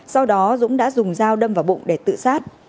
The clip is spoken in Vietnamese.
sau đó dũng đã dùng dao đâm vào bụng để tự sát